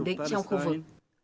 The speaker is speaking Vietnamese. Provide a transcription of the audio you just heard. để tổn định trong khu vực